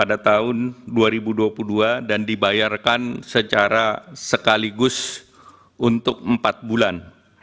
dan dibayarkan secara sekaligus untuk empat bulan